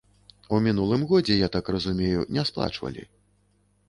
У мінулым годзе, я так разумею, не сплачвалі.